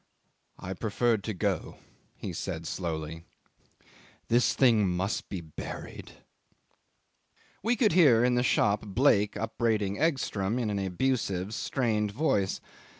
"I preferred to go," he said slowly; "this thing must be buried." 'We could hear in the shop Blake upbraiding Egstrom in an abusive, strained voice.